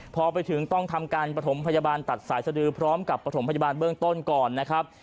พอไปถึงต้องทำการประถมพยาบาลตัดสายสดือพร้อมกับประถมพยาบาลเบื้องต้นก่อนนะครับ